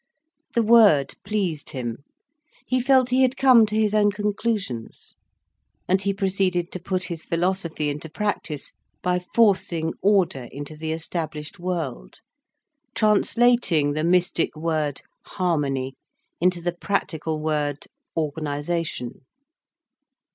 The word pleased him, he felt he had come to his own conclusions. And he proceeded to put his philosophy into practice by forcing order into the established world, translating the mystic word harmony into the practical word organisation.